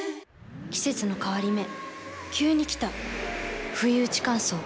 季節の変わり目急に来たふいうち乾燥。